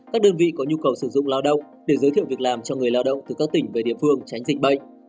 các đơn vị có nhu cầu sử dụng lao động để giới thiệu việc làm cho người lao động từ các tỉnh về địa phương tránh dịch bệnh